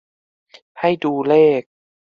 ให้ดูเลข